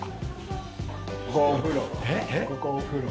ここお風呂。